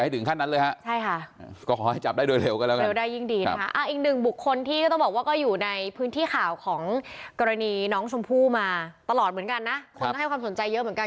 แต่คดีอย่าให้ถึงขั้นนั้นเลยฮะใช่ค่ะ